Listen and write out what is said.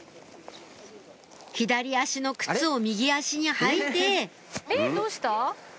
左足の靴を右足に履いてえっどうした？